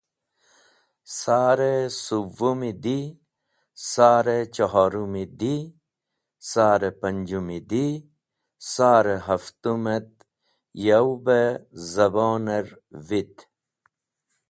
Sar-e suwwumi di, sar-e chohorumi di, sar-e panjumi di, sar-e haftum et yow beh zabon or vit.